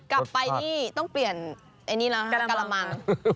กลับไปนี่ต้องเปลี่ยนการมัน